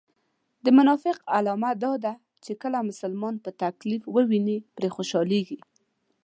د منافق علامه دا ده چې کله مسلمان په تکليف و ويني پرې خوشحاليږي